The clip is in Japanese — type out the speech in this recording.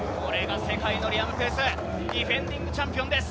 世界のリアム・ペース、ディフェンディングチャンピオンです。